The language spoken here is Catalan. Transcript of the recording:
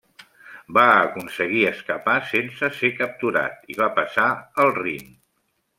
Va aconseguir escapar sense ser capturat i va passar el Rin.